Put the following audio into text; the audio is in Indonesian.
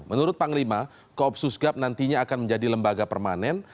menurut panglima koopsus gap nantinya akan menjadi lembaga permanen